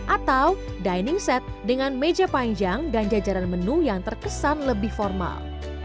atau dining set dengan meja panjang dan jajaran menu yang terkesan lebih formal